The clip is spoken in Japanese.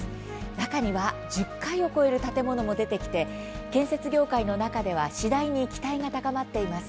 中には１０階を超える建物も出てきて建設業界の中では次第に期待が高まっています。